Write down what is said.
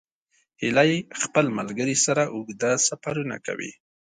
هیلۍ خپل ملګري سره اوږده سفرونه کوي